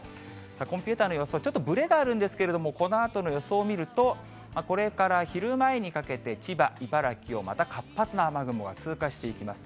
コンピューターの予想、ちょっとぶれがあるんですけれども、このあとの予想を見ると、これから昼前にかけて、千葉、茨城をまた活発な雨雲が通過していきます。